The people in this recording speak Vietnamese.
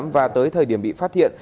và tới thời điểm bị phát hiện